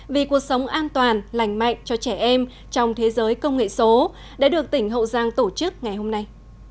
vì cuộc sống an toàn lành mạnh cho trẻ em trong thế giới công nghệ số đã được tỉnh hậu giang tổ chức ngày hôm nay